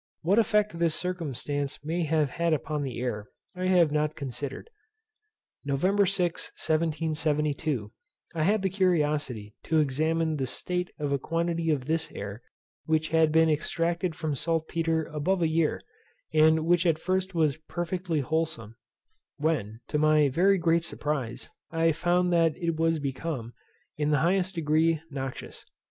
What effect this circumstance may have had upon the air I have not considered. November 6, 1772, I had the curiosity to examine the state of a quantity of this air which had been extracted from saltpetre above a year, and which at first was perfectly wholesome; when, to my very great surprize, I found that it was become, in the highest degree, noxious.